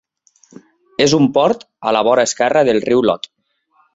És un port a la vora esquerra del riu Lot.